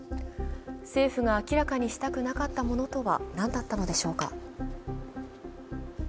政府が明らかにしたくなかったものとは何だったのでしょうか。